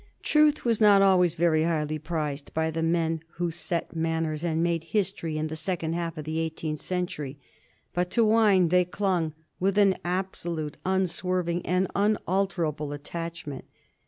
Truth was not always very highly prized by the men who set manners and made history in the second half of the eighteenth century, but to wine they clung with an absolutely unswerving and unalterable attachment.